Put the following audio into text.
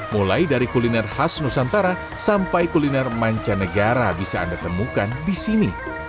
mulai dari kuliner khas nusantara sampai kuliner mancanegara bisa anda temukan di sini